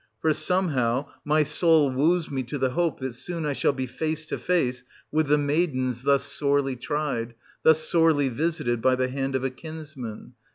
For somehow my soul woos me to the hope that soon I shall be face to face with the maidens thus sorely tried, thus sorely visited by the hand of a kinsman.